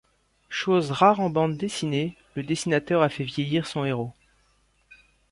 Chose rare en bande-dessinée, le dessinateur a fait vieillir son héros.